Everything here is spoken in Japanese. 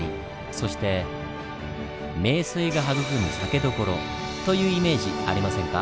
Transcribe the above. そして名水が育む酒どころというイメージありませんか？